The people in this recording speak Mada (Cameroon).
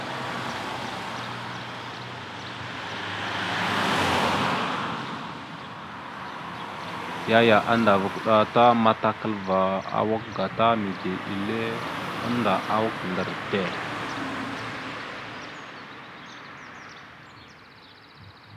Yaya andava kuɗa ta matakalva awak gata mide ille annda awak ɗar te.